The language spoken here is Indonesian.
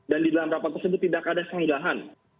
dan di dalam rapat tersebut tidak ada sanggahan